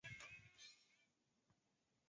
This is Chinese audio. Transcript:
曾担任中国人民解放军成都军区某师师长。